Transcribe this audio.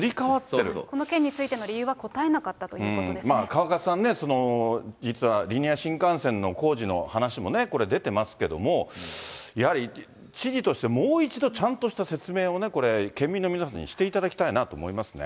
この件についての理由は答え川勝さんね、実はリニア新幹線の工事の話もね、これ、出てますけども、やはり、知事としてもう一度、ちゃんとした説明をね、県民の皆さんにしていただきたいなと思いますね。